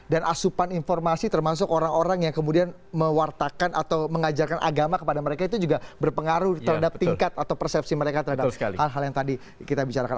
dan asupan informasi termasuk orang orang yang kemudian mewartakan atau mengajarkan agama kepada mereka itu juga berpengaruh terhadap tingkat atau persepsi mereka terhadap hal hal yang tadi kita bicarakan